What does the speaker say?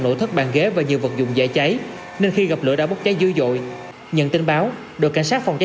nổ thất bàn ghế và nhiều vật dùng dễ cháy nên khi gặp lửa đã bốc cháy dư dội nhận tin báo đội cảnh